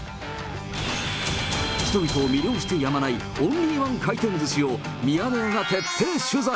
人々を魅了してやまないオンリー１回転ずしをミヤネ屋が徹底取材。